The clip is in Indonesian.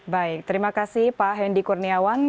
baik terima kasih pak hendy kurniawan